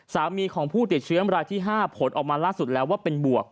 สามีของผู้ติดเชื้อรายที่๕ผลออกมาล่าสุดแล้วว่าเป็นบวก